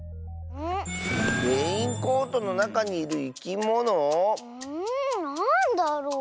レインコートのなかにいるいきもの？んなんだろう？